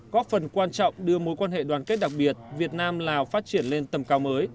góp phần quan trọng đưa mối quan hệ đoàn kết đặc biệt việt nam lào phát triển lên tầm cao mới